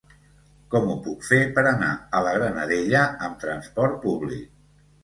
Com ho puc fer per anar a la Granadella amb trasport públic?